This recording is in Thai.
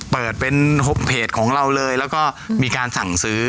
เปิดเป็นเพจของเราเลยแล้วก็มีการสั่งซื้อ